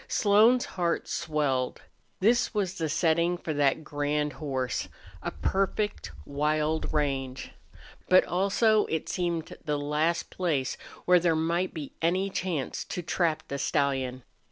Slone's heart swelled. This was the setting for that grand horse a perfect wild range. But also it seemed the last place where there might be any chance to trap the stallion.